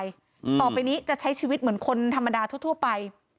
อืมต่อไปนี้จะใช้ชีวิตเหมือนคนธรรมดาทั่วทั่วไป